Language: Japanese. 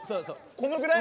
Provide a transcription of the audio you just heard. このぐらい？